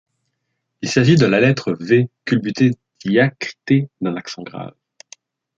Il s’agit de la lettre V culbuté diacritée d’un accent grave.